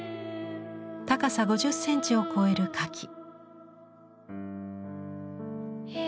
高さ５０センチを超える花器。